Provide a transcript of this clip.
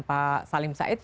pak salim said